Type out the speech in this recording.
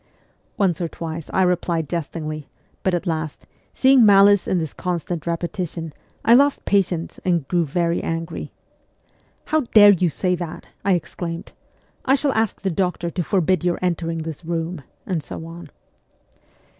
Once or twice I replied Jestingly, but at last, seeing malice in this constant repetition, I lost patience and grew very angry. ' How dare you say that ?' I exclaimed. ' I shall ask the doctor to forbid your entering this room,' and so on.